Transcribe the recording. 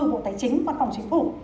bộ tài chính văn phòng chính phủ